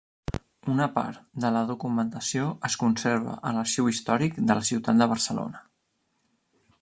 Una part de la documentació es conserva a l'Arxiu Històric de la Ciutat de Barcelona.